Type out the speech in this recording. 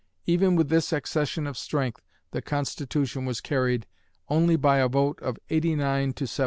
Even with this accession of strength the Constitution was carried only by a vote of 89 to 79.